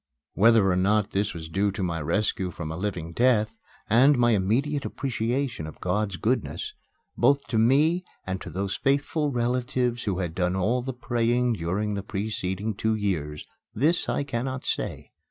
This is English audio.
Whether or not this was due to my rescue from a living death, and my immediate appreciation of God's goodness, both to me and to those faithful relatives who had done all the praying during the preceding two years this I cannot say.